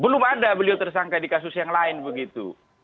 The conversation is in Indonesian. belum ada beliau tersangka di kasus yang lain begitu